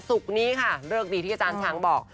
นี้ค่ะเลิกดีที่อาจารย์ช้างบอก